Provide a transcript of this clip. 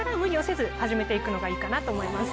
のがいいかなと思います。